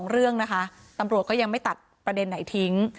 เรื่องนะคะตำรวจก็ยังไม่ตัดประเด็นไหนทิ้ง